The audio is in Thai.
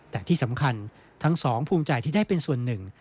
แต่ที่สำคัญทั้งสองภูมิใจที่ได้เป็นส่วนหนึ่ง